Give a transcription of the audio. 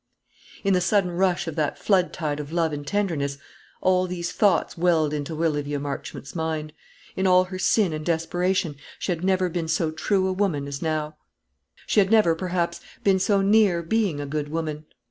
In the sudden rush of that flood tide of love and tenderness, all these thoughts welled into Olivia Marchmont's mind. In all her sin and desperation she had never been so true a woman as now; she had never, perhaps, been so near being a good woman.